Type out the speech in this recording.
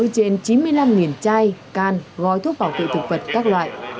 trên chín mươi năm chai can gói thuốc bảo vệ thực vật các loại